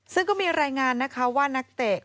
ซึ่งก็มีรายงานนะคะว่านักเตะ